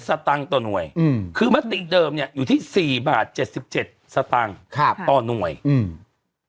๗สตังค์ต่อหน่วยอืมคือมติเดิมเนี่ยอยู่ที่๔บาท๗๗สตังค์ค่ะต่อหน่วยอืม